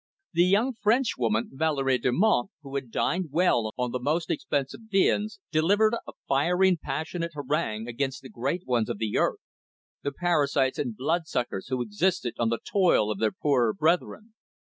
The young Frenchwoman, Valerie Delmonte, who had dined well on the most expensive viands, delivered a fiery and passionate harangue against the great ones of the earth, the parasites and bloodsuckers who existed on the toil of their poorer brethren.